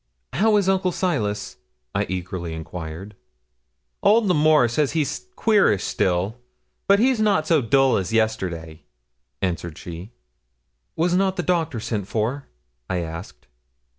'How is Uncle Silas?' I eagerly enquired. 'Old L'Amour says he's queerish still; but he's not so dull as yesterday,' answered she. 'Was not the doctor sent for?' I asked.